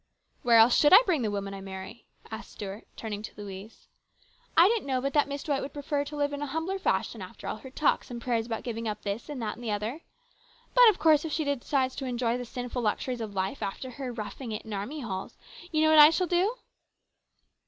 " Where else should I bring the woman I marry ?" asked Stuart, turning to Louise. " I didn't know but that Miss D wight would prefer to live in a humbler fashion after all her talks and prayers about giving up this and that and the other. But of course if she decides to enjoy the sinful luxuries of life after her roughing it in army halls, you know what I shall do